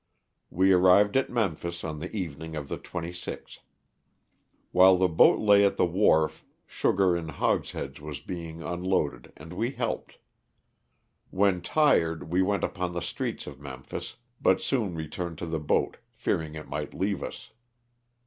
We arrived at Memphis on the evening of the 26th. While the boat lay at the wharf sugar in hogsheads was being unloaded and we helped. When tired we went upon the streets of Memphis, but soon returned to the boat fearing it might leave us.